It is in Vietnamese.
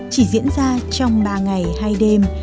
chỉ diễn ra trong ba ngày hai đêm